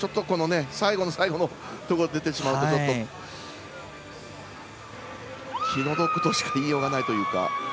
最後の最後のところで出てしまうと、ちょっと気の毒としか言いようがないというか。